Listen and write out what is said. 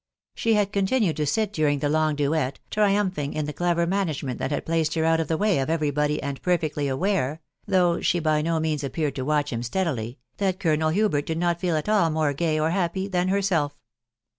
She had continued to at during the long duet, triumphing in the clever management that had placed her out of the way of every body, and perfeedj aware .... though she by no means appeared to watch him steadily .... that Colonel Hubert did not feel at all morejij or happy than herself.